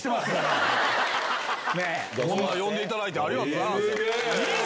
呼んでいただいてありがとうございます。